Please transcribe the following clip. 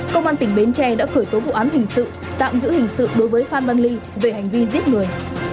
công an tỉnh bến tre đã khởi tố vụ án hình sự tạm giữ hình sự đối với phan văn ly về hành vi giết người